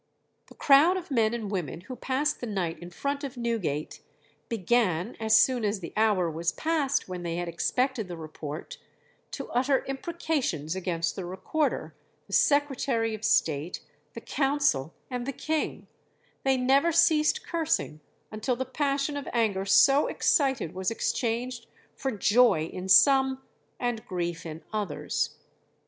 "The crowd of men and women who passed the night in front of Newgate, began, as soon as the hour was passed when they had expected the report, to utter imprecations against the Recorder, the Secretary of State, the Council, and the King; they never ceased cursing until the passion of anger so excited was exchanged for joy in some and grief in others.